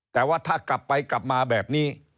แต่ว่าถ้ากลับไปกลับมาแบบนี้